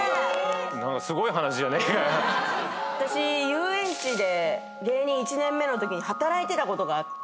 私遊園地で芸人１年目のときに働いてたことがあって。